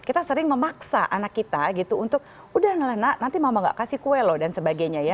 kita sering memaksa anak kita gitu untuk udah ngelena nanti mama gak kasih kue loh dan sebagainya ya